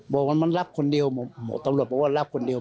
บอกว่ามันรับคนเดียวตำรวจบอกว่ารับคนเดียว